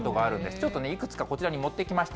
ちょっとね、いくつかこちらに持ってきました。